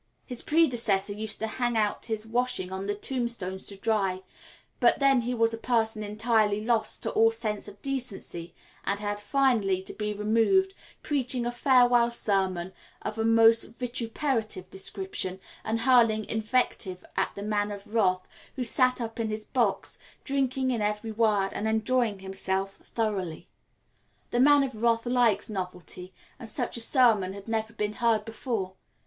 His predecessor used to hang out his washing on the tombstones to dry, but then he was a person entirely lost to all sense of decency, and had finally to be removed, preaching a farewell sermon of a most vituperative description, and hurling invective at the Man of Wrath, who sat up in his box drinking in every word and enjoying himself thoroughly. The Man of Wrath likes novelty, and such a sermon had never been heard before.